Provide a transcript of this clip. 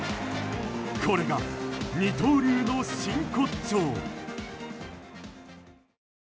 これが、二刀流の真骨頂。